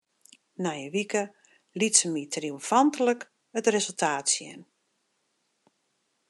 Nei in wike liet se my triomfantlik it resultaat sjen.